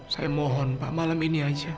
saya mohon pak malam ini aja